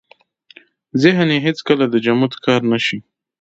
ذهن يې هېڅ کله د جمود ښکار نه شي.